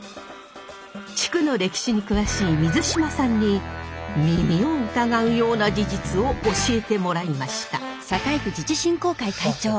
地区の歴史に詳しい水島さんに耳を疑うような事実を教えてもらいました。